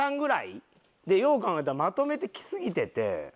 よう考えたらまとめてきすぎてて。